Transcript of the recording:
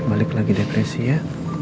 balik lagi depresi ya